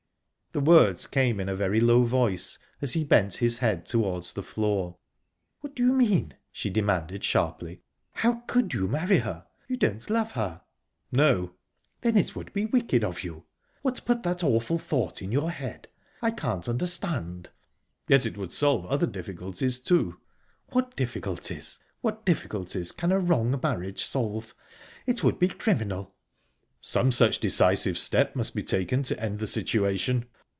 The words came in a very low voice, as he bent his head towards the floor. "What do you mean?" she demanded, sharply. "How could you marry her? You don't love her." "No." "Then it would be wicked of you!...What put that awful thought in your head? I can't understand." "Yet it would solve other difficulties, too." "What difficulties? What difficulties can a wrong marriage solve? It would be criminal." "Some such decisive step must be taken to end the situation.